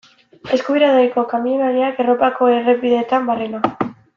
Eskubiderik gabeko kamioilariak Europako errepideetan barrena.